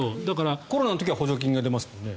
コロナの時は補助金が出ますもんね。